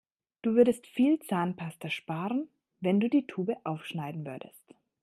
Du würdest viel Zahnpasta sparen, wenn du die Tube aufschneiden würdest.